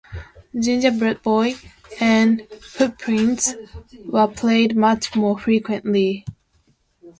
"Ginger Bread Boy" and "Footprints" were played much more frequently.